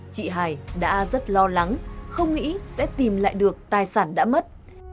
chị hải đã rất lo lắng không nghĩ sẽ tìm lại được tài sản đã mất